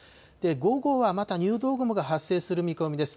午後はまた入道雲が発生する見込みです。